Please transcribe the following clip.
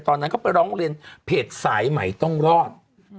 ตอนนั้นเขาไปร้องเรียนเพจสายใหม่ต้องรอด